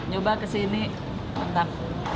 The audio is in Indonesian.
coba kesini mantap